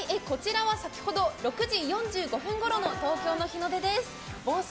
こちらは先ほど６時４５分ごろの東京の日の出です。